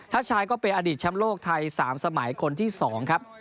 ถ้าชายก็เป็นอดีตแชมป์โลกไทย๓สมัยคนที่๒ครับ